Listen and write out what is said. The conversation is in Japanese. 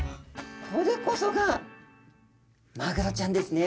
これこそがマグロちゃんですね。